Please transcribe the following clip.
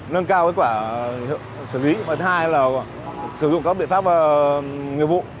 nâng cao kết quả xử lý thứ hai là sử dụng các biện pháp nghiệp vụ